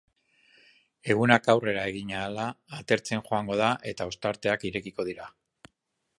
Egunak aurrera egin ahala atertzen joango da eta ostarteak irekiko dira.